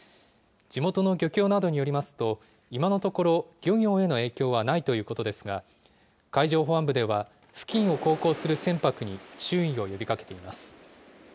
地元の漁協などによりますと、今のところ、漁業への影響はないということですが、海上保安部では、付近を航行する船舶に注意を呼びかけています。